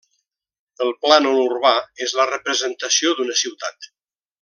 El plànol urbà és la representació d'una ciutat.